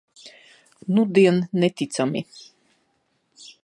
Nudien neticami.